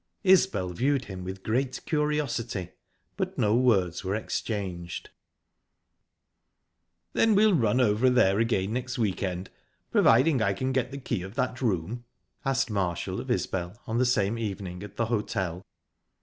Isbel viewed him with great curiosity, but no words were exchanged. "Then we'll run over there again next week end, providing I can get the key of that room?" asked Marshall of Isbel on the same evening, at the hotel.